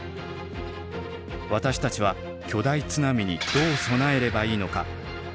私たちは巨大津波にどう備えればいいのか。